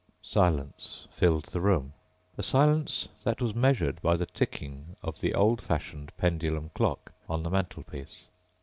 Silence filled the room. A silence that was measured by the ticking of the old fashioned pendulum clock on the mantelpiece.